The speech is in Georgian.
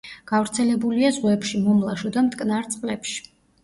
გავრცელებულია ზღვებში, მომლაშო და მტკნარ წყლებში.